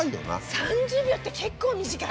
３０秒って結構短い。